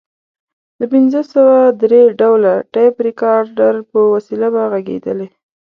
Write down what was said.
د پنځه سوه درې ډوله ټیپ ریکارډر په وسیله به غږېدلې.